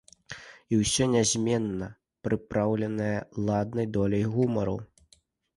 І ўсё нязменна прыпраўленае ладнай доляй гумару.